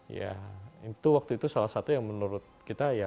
ya itu waktu itu salah satu yang menurut kita ya